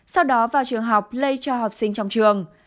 sau đó vào trường học lây cho học sinh trong trường